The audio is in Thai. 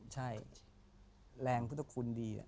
ใช่แรงพุทธคุณดี